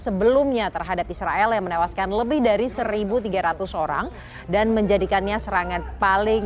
sebelumnya terhadap israel yang menewaskan lebih dari seribu tiga ratus orang dan menjadikannya serangan paling